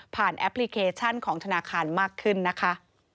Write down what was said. แอปพลิเคชันของธนาคารมากขึ้นนะคะ